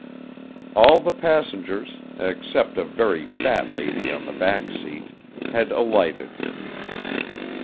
All the passengers, except a very fat lady on the back seat, had alighted.